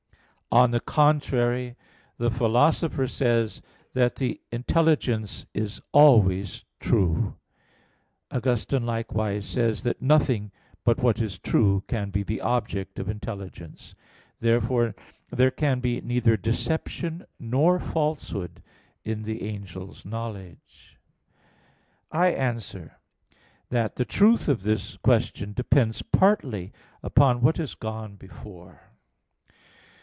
On the contrary, The Philosopher says (De Anima iii, text. 41) that "the intelligence is always true." Augustine likewise says (QQ. 83, qu. 32) that "nothing but what is true can be the object of intelligence" Therefore there can be neither deception nor falsehood in the angel's knowledge. I answer that, The truth of this question depends partly upon what has gone before.